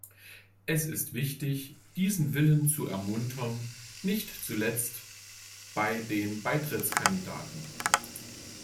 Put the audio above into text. Es ist wichtig, diesen Willen zu ermuntern, nicht zuletzt bei den Beitrittskandidaten.